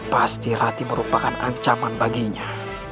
pasti rati merupakan ancaman baginya